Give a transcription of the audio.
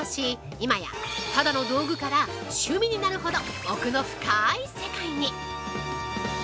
今やただの道具から趣味になるほど奥の深い世界に。